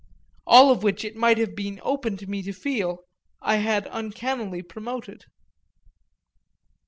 All of which it might have been open to me to feel I had uncannily promoted.